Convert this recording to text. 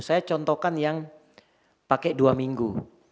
saya contohkan yang pakai dua minggu